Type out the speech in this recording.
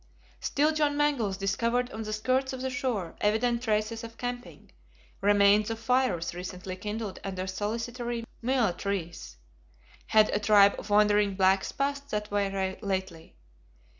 Still John Mangles discovered on the skirts of the shore evident traces of camping, remains of fires recently kindled under solitary Myall trees. Had a tribe of wandering blacks passed that way lately?